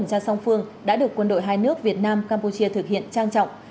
hai nước việt nam campuchia thực hiện trang trọng